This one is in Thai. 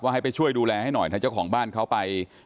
ให้ไปช่วยดูแลให้หน่อยถ้าเจ้าของบ้านเขาไป